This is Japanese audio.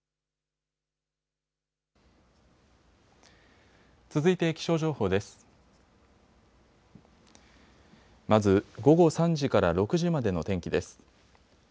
まず午後３時から６時までの天気です。